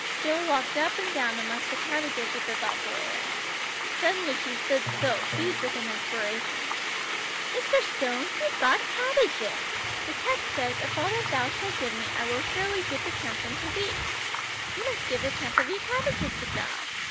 Jill walked up and down amongst the cabbages with a thoughtful air. Suddenly she stood still, seized with an inspiration. "Mr. Stone, you've got cabbages! The text says, 'Of all that Thou shalt give me, I will surely give the tenth unto Thee.' You must give a tenth of your cabbages to God.